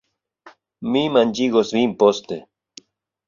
Mi manĝigos vin poste